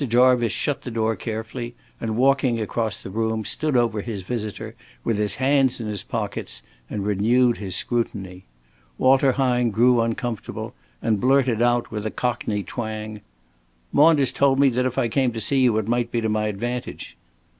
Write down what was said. Jarvice shut the door carefully, and, walking across the room, stood over his visitor with his hands in his pockets, and renewed his scrutiny. Walter Hine grew uncomfortable, and blurted out with a cockney twang "Maunders told me that if I came to see you it might be to my advantage."